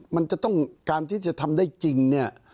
มันจะต้องการที่จะทำได้จริงเนี่ย